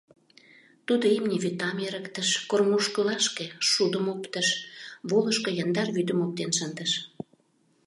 Тудо имне вӱтам эрыктыш, кормушкылашке шудым оптыш, волышко яндар вӱдым оптен шындыш.